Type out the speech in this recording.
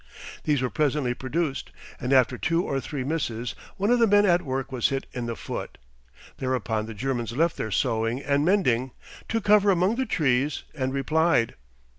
These were presently produced, and after two or three misses, one of the men at work was hit in the foot. Thereupon the Germans left their sewing and mending, took cover among the trees, and replied.